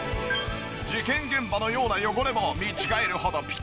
事件現場のような汚れも見違えるほどピカピカに！